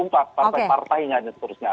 partai partainya dan seterusnya